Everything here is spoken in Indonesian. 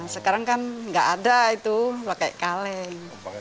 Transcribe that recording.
sekarang kan nggak ada itu pakai kaleng